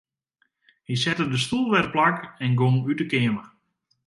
Hy sette de stoel wer teplak en gong út 'e keamer.